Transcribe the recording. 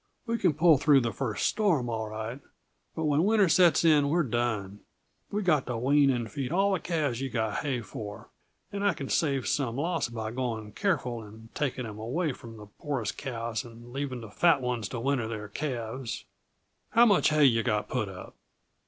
We can pull through the first storm, all right, but when winter sets in we're done. We've got to wean and feed all the calves you've got hay for, and I can save some loss by going careful and taking 'em away from the poorest cows and leaving the fat ones to winter their calves. How much hay yuh got put up?"